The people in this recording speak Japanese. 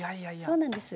そうなんです